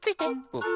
うん。